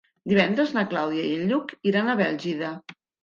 Divendres na Clàudia i en Lluc iran a Bèlgida.